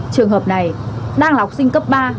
trường hợp này đang là học sinh cấp ba